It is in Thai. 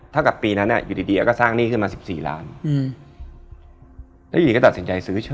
ไม่ต่างก็คล้ายกัน